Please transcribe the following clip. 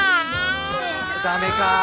ダメか。